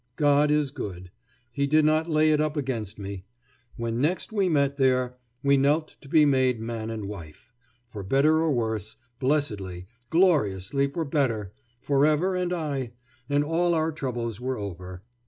God is good. He did not lay it up against me. When next we met there, we knelt to be made man and wife, for better or worse; blessedly, gloriously for better, forever and aye, and all our troubles were over.